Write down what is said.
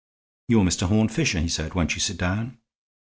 "You are Mr. Horne Fisher," he said. "Won't you sit down?"